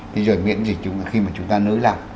thế rồi miễn dịch khi mà chúng ta nối lặng